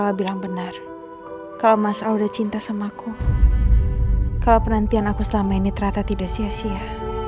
jangan bilang benar kalau mas alda cinta sama aku kalau penantian aku selama ini ternyata tidak sia sia